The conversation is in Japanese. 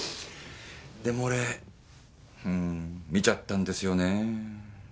でも俺うん見ちゃったんですよね。